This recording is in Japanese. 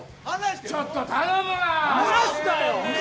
ちょっと頼むわ。